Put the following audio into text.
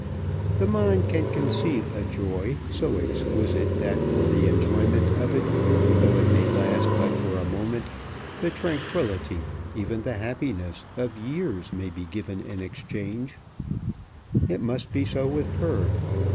The mind can conceive a joy so exquisite that for the enjoyment of it, though it may last but for a moment, the tranquillity, even the happiness, of years may be given in exchange. It must be so with her.